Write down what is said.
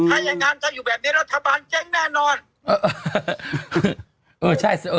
ถ้าอย่างนั้นถ้าอยู่แบบนี้รัฐบาลแจ้งแน่นอน